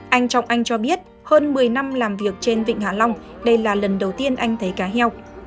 anh trọng anh cho biết hơn một mươi năm làm việc trên vịnh hạ long đây là lần đầu tiên anh thấy cá heo